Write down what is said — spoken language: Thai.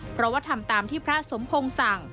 เพราะว่าทำตามที่พระสมพงศ์สั่ง